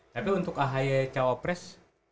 tapi untuk ahy cawapres